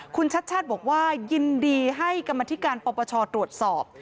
คุณชัดชาติบอกว่ายินดีให้กรรมธิการปปชตรวจสอบ